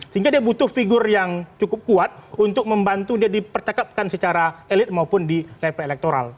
sehingga dia butuh figur yang cukup kuat untuk membantu dia dipercakapkan secara elit maupun di level elektoral